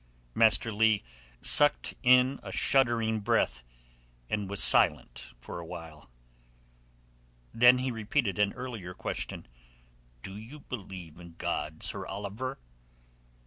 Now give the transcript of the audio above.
Master Leigh sucked in a shuddering breath, and was silent for a while. Then he repeated an earlier question. "Do you believe in God, Sir Oliver?"